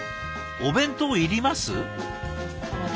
お弁当いります？